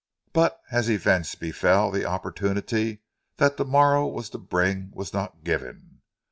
But, as events befell, the opportunity that the morrow was to bring was not given.